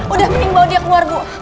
udah penting bawa dia keluar bu